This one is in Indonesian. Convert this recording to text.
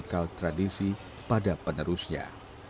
cikal bakal tradisi pada penerusnya